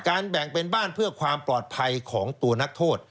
แบ่งเป็นบ้านเพื่อความปลอดภัยของตัวนักโทษ